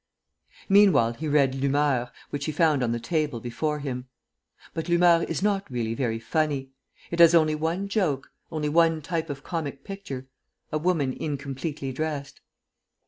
Meanwhile he read L'Humeur, which he found on the table before him. But L'Humeur is not really very funny. It has only one joke, only one type of comic picture: a woman incompletely dressed.